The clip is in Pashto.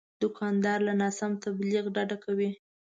دوکاندار له ناسم تبلیغ ډډه کوي.